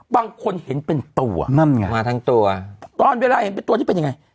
บางคนเห็นเป็นตัวนั่นไงมาทั้งตัวตอนเวลาเห็นเป็นตัวนี้เป็นยังไง